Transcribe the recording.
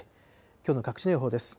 きょうの各地の予報です。